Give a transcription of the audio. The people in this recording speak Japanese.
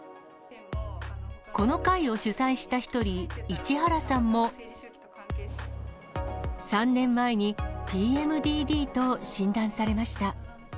この会を主催した一人、市原さんも、３年前に、ＰＭＤＤと診断されました。